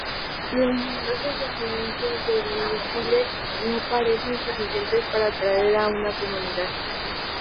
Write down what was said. Los numerosos yacimientos de sílex no parecen suficientes para atraer a una comunidad.